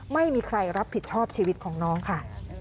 ไม่มีใครรับผิดชอบชีวิตของน้องค่ะ